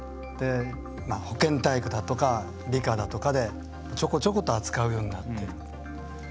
保健体育だとか、理科だとかでちょこちょこと扱うようになっている。